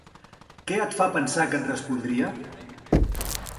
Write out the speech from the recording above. Què et fa pensar que et respondria?